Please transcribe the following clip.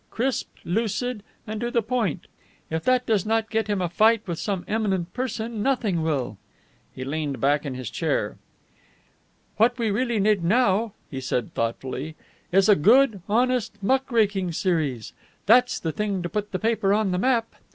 Crisp, lucid, and to the point. If that does not get him a fight with some eminent person, nothing will." He leaned back in his chair. "What we really need now," he said thoughtfully, "is a good, honest, muck raking series. That's the thing to put a paper on the map.